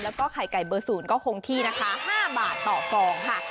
แล้วก็ไข่ไก่เบอร์๐ก็คงที่นะคะ๕บาทต่อฟองค่ะ